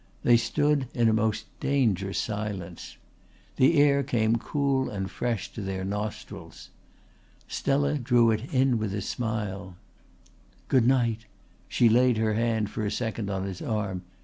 They stood in a most dangerous silence. The air came cool and fresh to their nostrils. Stella drew it in with a smile. "Good night!" She laid her hand for a second on his arm.